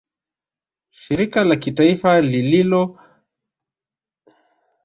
Shirika la kitaifa lilodai kuingia katika nchi iliyomilikwa na walowezi